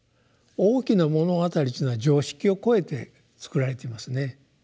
「大きな物語」というのは常識を超えてつくられていますね。